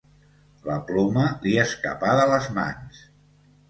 La ploma li escapà de les mans.